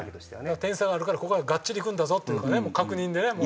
点差があるからここはがっちりいくんだぞっていうかね確認でねもう。